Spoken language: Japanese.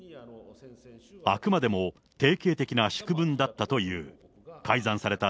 あくまでも定型的な祝文だったという。